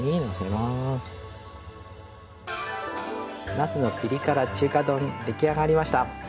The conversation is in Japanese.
「なすのピリ辛中華丼」できあがりました。